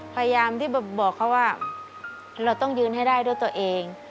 พยายามที่บอกเขาว่าเราต้องยืนให้ได้ด้วยตัวเอง